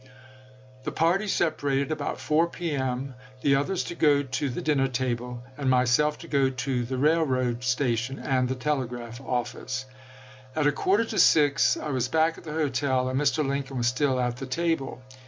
The party separated about 4 P. M., the others to go to the dinner table, and myself to go to the railroad station and the telegraph office. At a quarter to six I was back at the hotel, and Mr. Lincoln was still at the table.